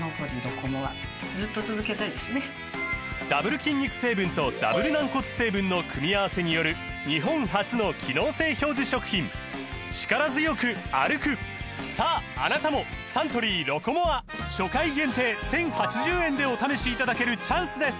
ダブル筋肉成分とダブル軟骨成分の組み合わせによる日本初の機能性表示食品さああなたもサントリー「ロコモア」初回限定１０８０円でお試しいただけるチャンスです